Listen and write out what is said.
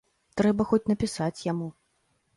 Трэба хоць напісаць яму.